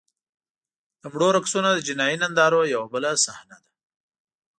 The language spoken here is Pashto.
د مړو رقصونه د جنایي نندارو یوه بله صحنه ده.